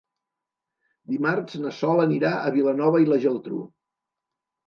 Dimarts na Sol anirà a Vilanova i la Geltrú.